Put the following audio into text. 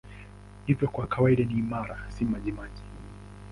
Hivyo kwa kawaida ni imara, si majimaji.